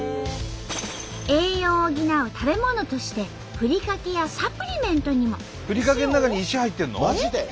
栄養を補う食べ物としてふりかけやサプリメントにも。